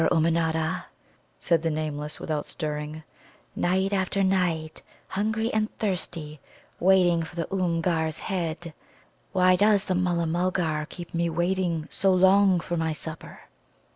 ] "I couch here, Ummanodda," said the Nameless, without stirring, "night after night, hungry and thirsty, waiting for the Oomgar's head. Why does the Mulla mulgar keep me waiting so long for my supper?"